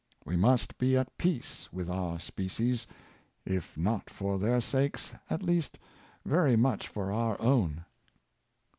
We must be at peace with our species, if not for their sakes, at least very much for our own."